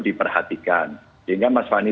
diperhatikan sehingga mas fani